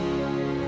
kalian mau apa